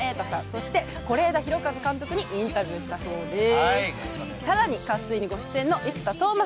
そして是枝裕和監督にインタビューしたそうです。